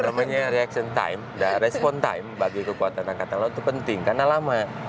namanya reaction time respon time bagi kekuatan angkatan laut itu penting karena lama